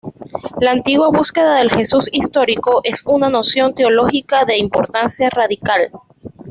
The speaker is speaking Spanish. La antigua búsqueda del Jesús histórico es una noción teológica de importancia radical.